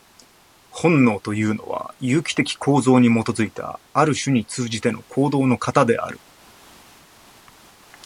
本能というのは、有機的構造に基いた、ある種に通じての行動の型である。